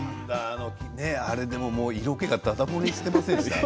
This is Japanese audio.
あれでも、色気がだだ漏れしていましたよね。